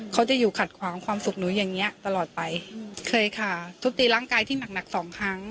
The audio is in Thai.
เขาจะอยู่ขัดขวางความสุขหนูอย่างเงี้ยตลอดไปเคยค่ะทุบตีร่างกายที่หนักหนักสองครั้ง